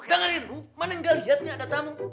jangan liru mana gak lihat nih ada tamu